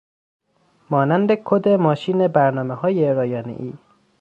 مانند کد ماشین برنامههای رایانه ای.